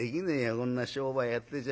こんな商売やってちゃ。